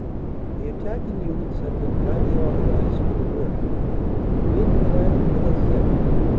The attacking units had been highly organized for the work and the men went at it with a zip.